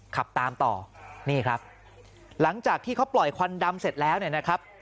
ขับตามต่อนี่ครับหลังจากที่เขาปล่อยควันดำเสร็จแล้วเนี่ยนะครับ